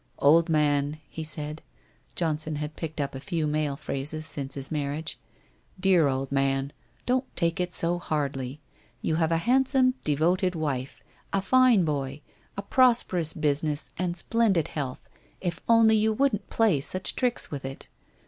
i Old man/ he said — Johnson had picked up a few male phrases since his marriage —* dear old man, don't take it so hardly ! You have a handsome, devoted wife, a fine boy, a prosperous business, and splendid health, if only you wouldn't play such tricks with it.